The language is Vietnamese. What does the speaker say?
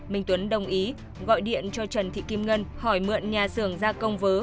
minh tuấn đồng ý gọi điện cho trần thị kim ngân hỏi mượn nhà xưởng ra công vớ